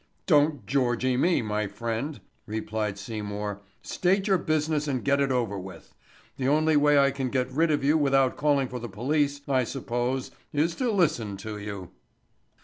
"Don't Georgie me, my friend," replied Seymour, "state your business and get it over with. The only way I can get rid of you without calling for the police, I suppose, is to listen to you."